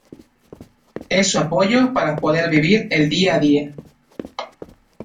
Es su apoyo para poder vivir el día a día...